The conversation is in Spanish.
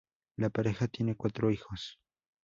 La pareja tiene cuatro hijos.